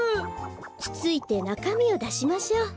つついてなかみをだしましょう。